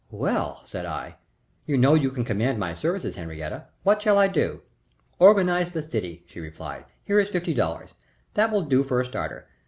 "Well," said I, "you know you can command my services, Henriette. What shall I do?" "Organize the city," she replied. "Here is fifty dollars. That will do for a starter.